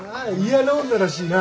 嫌な女らしいな。